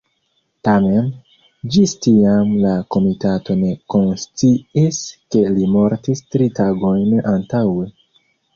Tamen, ĝis tiam la komitato ne konsciis ke li mortis tri tagojn antaŭe.